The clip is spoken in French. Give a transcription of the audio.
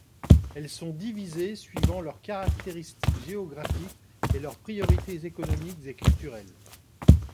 Elles sont divisées suivant leurs caractéristiques géographiques et leurs priorités économiques et culturelles.